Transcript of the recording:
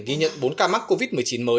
ghi nhận bốn ca mắc covid một mươi chín mới